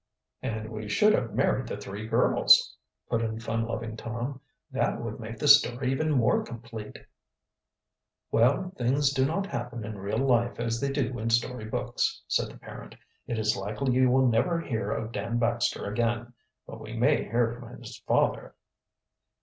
"And we should have married the three girls," put in fun loving Tom. "That would make the story even more complete." "Well, things do not happen in real life as they do in story books," said the parent. "It is likely you will never hear of Dan Baxter again. But we may hear from his father."